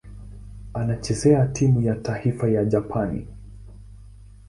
Anachezea timu ya taifa ya Japani.